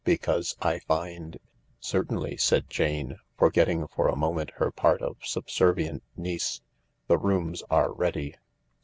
Because I find —" "Certainly," said Jane, forgetting for a moment her part of subservient niece; "the rooms are ready."